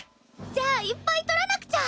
じゃあいっぱい採らなくちゃ。